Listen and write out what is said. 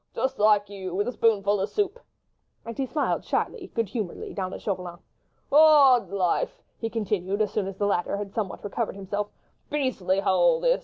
just like you ... with a spoonful of soup." And he smiled shyly, good humouredly, down at Chauvelin. "Odd's life!" he continued, as soon as the latter had somewhat recovered himself, "beastly hole this